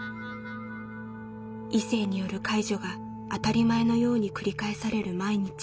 異性による介助が当たり前のように繰り返される毎日。